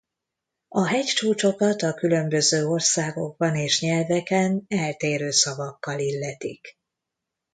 A hegycsúcsokat a különböző országokban és nyelveken eltérő szavakkal illetik.